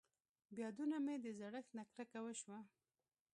بيا دونه مې د زړښت نه کرکه وشوه.